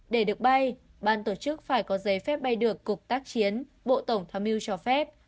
để được bay ban tổ chức phải có giấy phép bay được cục tác chiến bộ tổng tham mưu cho phép